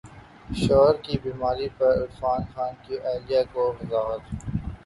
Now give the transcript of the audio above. شوہر کی بیماری پر عرفان خان کی اہلیہ کی وضاحت